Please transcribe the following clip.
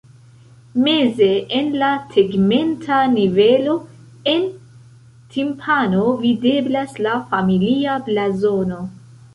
Meze en la tegmenta nivelo en timpano videblas la familia blazono.